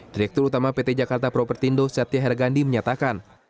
direktur utama pt jakarta propertindo setti hergandi menyatakan